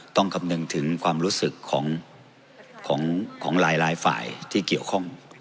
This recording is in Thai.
ต้องคำหนึ่งถึงความรู้สึกของของของหลายหลายฝ่ายที่เกี่ยวข้อง